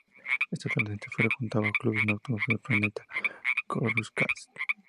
Esta adolescente frecuentaba clubes nocturnos en el planeta Coruscant.